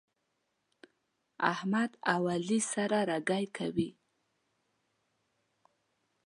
احمد او علي سره رګی کوي.